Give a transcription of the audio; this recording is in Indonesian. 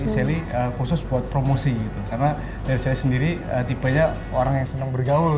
sally khusus buat promosi gitu karena dari saya sendiri tipenya orang yang senang bergaul